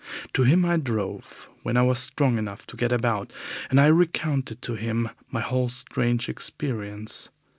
To him I drove, when I was strong enough to get about, and I recounted to him my whole strange experience.